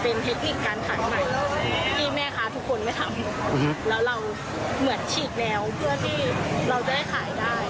เป็นเทคนิคการขายใหม่ที่แม่ค้าทุกคนไม่ทำแล้วเราเหมือนฉีกแล้วเพื่อที่เราจะได้ขายได้